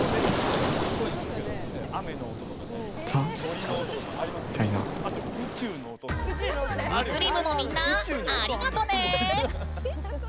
物理部のみんなありがとね！